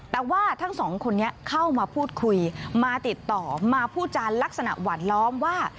แต่ว่าทั้งสองคนนี้เข้ามาพูดคุยมาติดต่อมาพูดจานลักษณะหวานล้อมว่า